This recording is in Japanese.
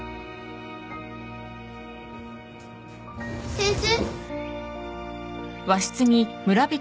先生？